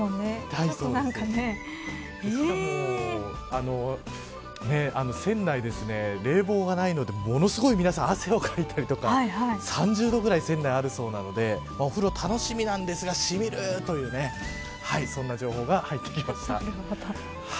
しかも船内、冷房がないのでものすごい汗をかいたり３０度ぐらい船内あるそうなのでお風呂楽しみなんですがしみるという情報が入ってきました。